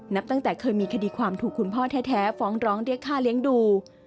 นับตั้งแต่เคยมีคดีความถูกคุณพ่อแท้ฟ้องร้องเรียกค่าเลี้ยงดู